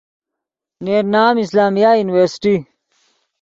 نے ین نام اسلامیہ یورنیورسٹی